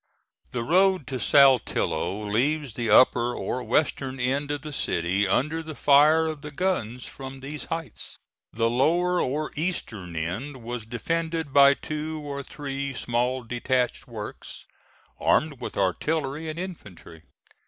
The road to Saltillo leaves the upper or western end of the city under the fire of the guns from these heights. The lower or eastern end was defended by two or three small detached works, armed with artillery and infantry.